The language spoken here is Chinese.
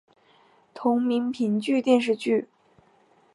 同名评剧电视剧